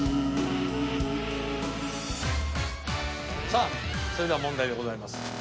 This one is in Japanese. さあそれでは問題でございます。